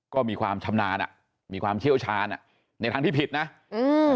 ก็มีความชำนาญอ่ะมีความเชี่ยวชาญอ่ะในทางที่ผิดนะอืม